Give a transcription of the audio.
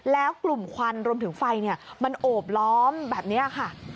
แล้วกลุ่มควันรวมถึงไฟมันโอบล้อมแบบนี้ค่ะ